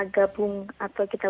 gabung atau kita